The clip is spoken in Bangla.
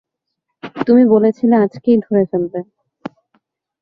তুমি বলেছিলে আজকেই ধরে ফেলব।